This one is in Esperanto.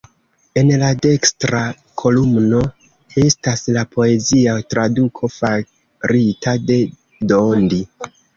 En la dekstra kolumno estas la poezia traduko farita de Dondi.